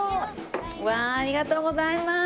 わあありがとうございます。